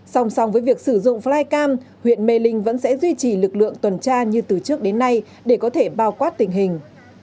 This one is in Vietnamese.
song song với việc sử dụng flycam huyện mê linh vẫn sẽ duy trì lực lượng tuần tra như từ trước đến nay để có thể bao quát tình hình